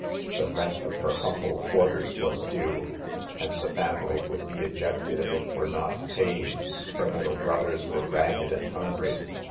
The rent of her humble quarters wa&due, and the family would be ejected if it were not paid. Her little brothers were ragged and hungry.